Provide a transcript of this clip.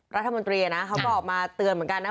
รัฐมนตรีเขาบอกมาเตือนเหมือนกัน